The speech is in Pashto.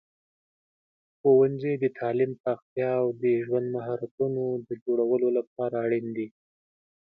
ښوونځي د تعلیم پراختیا او د ژوند مهارتونو د جوړولو لپاره اړین دي.